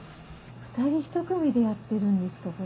２人ひと組でやってるんですか？